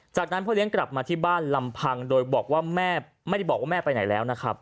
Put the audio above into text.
จากนั้นพ่อเลี้ยงกลับมาที่บ้านลำพังโดยไม่ได้บอกว่าแม่ไปไหนแล้ว